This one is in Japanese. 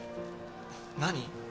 何？